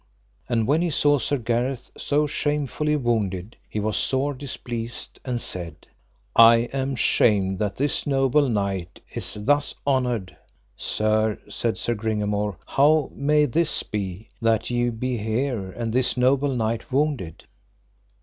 And when he saw Sir Gareth so shamefully wounded he was sore displeased, and said: I am shamed that this noble knight is thus honoured. Sir, said Sir Gringamore, how may this be, that ye be here, and this noble knight wounded?